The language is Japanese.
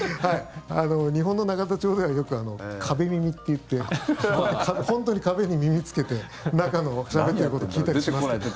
日本の永田町ではよく壁耳って言って本当に壁に耳つけて中のしゃべってること聞いたりしますけど。